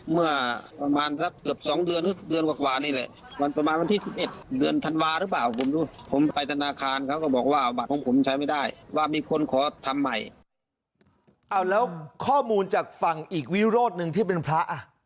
เอาแล้วข้อมูลจากฝั่งอีกวิโรศนึงที่เป็นพระ